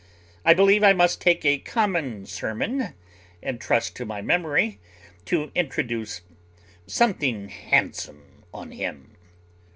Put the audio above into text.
I believe I must take a common sermon, and trust to my memory to introduce something handsome on him."